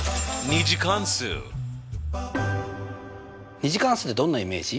２次関数ってどんなイメージ？